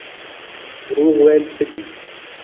دروغ ویل څه دي؟